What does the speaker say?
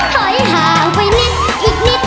ถอยห่างไปนิดอีกนิด